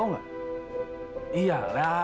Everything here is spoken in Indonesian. kenapa dia berdosa